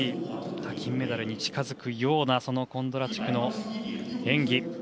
金メダルに近づくようなコンドラチュクの演技。